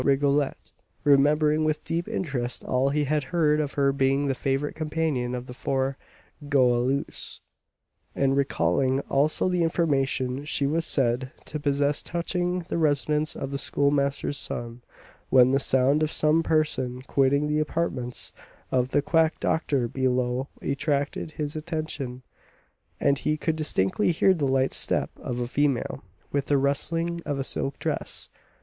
Rigolette, remembering with deep interest all he had heard of her being the favourite companion of the poor Goualeuse, and recalling also the information she was said to possess touching the residence of the Schoolmaster's son, when the sound of some person quitting the apartments of the quack doctor below attracted his attention, and he could distinctly hear the light step of a female, with the rustling of a silk dress.